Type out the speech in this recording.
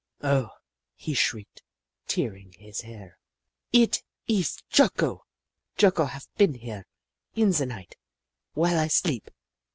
" Oh," he shrieked, tearing his hair, " eet ees Jocko! Jocko haf been here in ze night w'ile I sleep